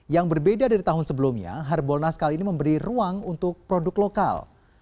yang berbeda dari tahun sebelumnya harbolnas kali ini memberi ruang untuk produk lokal